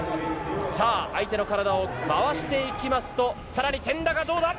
さあ、相手の体を回していきますと、さらにどうだ？